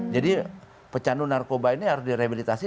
jadi pecandu narkoba ini harus direhabilitasi